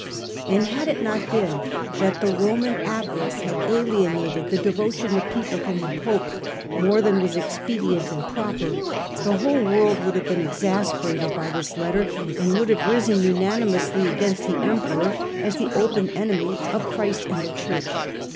And, had it not been that the Roman avarice had alienated the devotion of people from the Pope more than was expedient and proper, the whole world would have been exasperated by this letter, and would have risen unanimously against the Emperor as the open enemy of Christ and the Church.